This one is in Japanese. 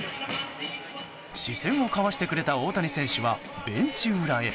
視線を交わしてくれた大谷選手はベンチ裏へ。